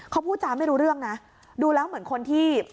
เขาพูดจาไม่รู้เรื่องนะดูแล้วเหมือนคนที่